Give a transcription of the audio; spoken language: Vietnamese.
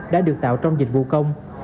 đã được tạo trong dịch vụ công